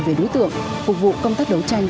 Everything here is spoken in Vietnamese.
về đối tượng phục vụ công tác đấu tranh